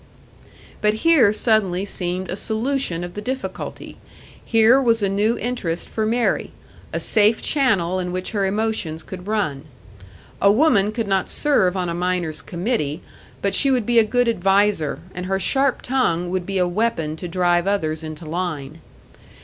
But here suddenly seemed a solution of the difficulty; here was a new interest for Mary, a safe channel in which her emotions could run. A woman could not serve on a miners' committee, but she would be a good adviser, and her sharp tongue would be a weapon to drive others into line.